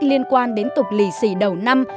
liên quan đến tục lì xì đầu năm